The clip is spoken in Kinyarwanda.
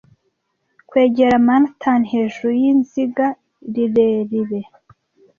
Kwegera Manhattan hejuru yizinga rirerire,